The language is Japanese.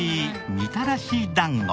みたらし団子。